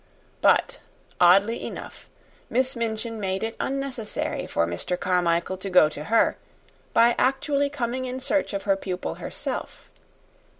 But, oddly enough, Miss Minchin made it unnecessary for Mr. Carmichael to go to her, by actually coming in search of her pupil herself.